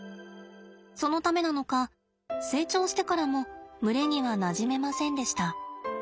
そのためなのか成長してからも群れにはなじめませんでした。